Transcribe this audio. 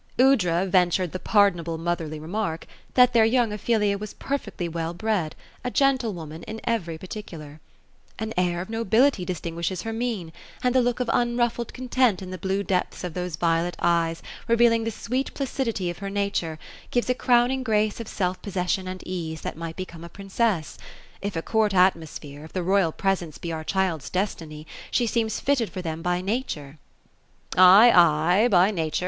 Aoudra ventured the pardonable motherly remark, that their young Ophelia was perfectly well bred ; a gentlewoman in every particular. \ THE ROSE OF ELSINORE. 231 '^ An air of nobility distinguishes her mien ; and the look of unruffled content in the blue depths of those violet eyes, revealing the sweet pla cidity of her nature, gives a crowning grace of self possession and ease, that might become a princess. If a court atmosphere, if the royal pres ence be our child's destiny, she seems fitted for them by nature. " Ay, ay, by nature.